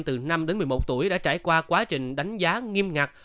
từ năm đến một mươi một tuổi đã trải qua quá trình đánh giá nghiêm ngặt